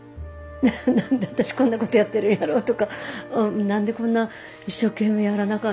何で私こんなことやってるんやろうとか何でこんな一生懸命やらなあかんのやろうとかって。